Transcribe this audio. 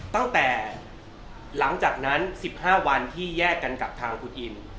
ตั้งแต่หลังจากนั้น๑๕วันที่แยกกันกับทางคุณอิม